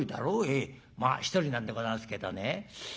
「ええまあ独りなんでございますけどね